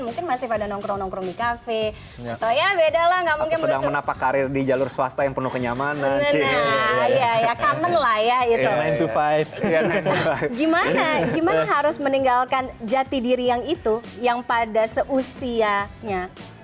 mungkin gimana harus meninggalkan jati diri yang itu yang pada seusianya